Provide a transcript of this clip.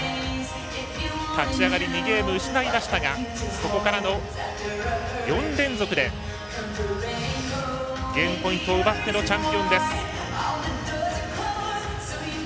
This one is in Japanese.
立ち上がり２ゲーム失いましたがそこからの４連続でゲームポイントを奪ってのチャンピオンです。